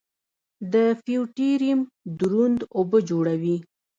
د فیوټیریم دروند اوبه جوړوي.